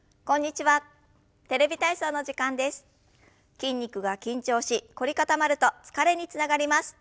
筋肉が緊張し凝り固まると疲れにつながります。